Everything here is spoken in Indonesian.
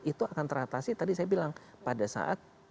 itu akan teratasi tadi saya bilang pada saat